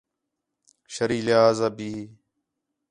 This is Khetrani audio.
شرعی لحاظ آ بھی